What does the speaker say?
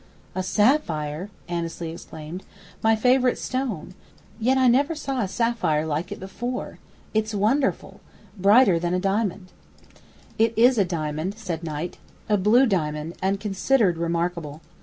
"A sapphire!" Annesley exclaimed. "My favourite stone. Yet I never saw a sapphire like it before. It's wonderful brighter than a diamond." "It is a diamond," said Knight. "A blue diamond, and considered remarkable.